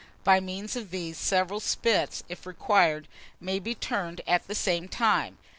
By means of these, several spits, if required, may be turned at the same time.